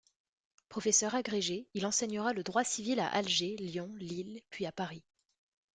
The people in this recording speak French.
Professeur agrégé, il enseignera le droit civil à Alger, Lyon, Lille puis à Paris.